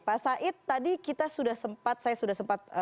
pak said tadi kita sudah sempat saya sudah sempat